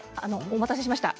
お待たせしました。